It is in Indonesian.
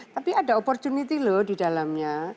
tapi ada opportunity loh di dalamnya